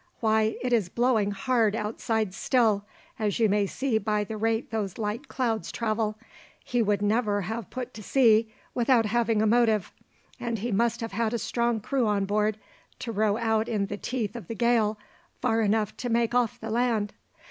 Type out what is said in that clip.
Why, it is blowing hard outside still, as you may see by the rate those light clouds travel. He would never have put to sea without having a motive, and he must have had a strong crew on board, to row out in the teeth of the gale far enough to make off the land.